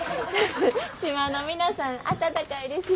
島の皆さん温かいですし。